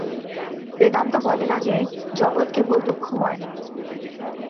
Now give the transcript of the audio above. বেদান্ত বলে না যে, জগৎ কেবল দুঃখময়।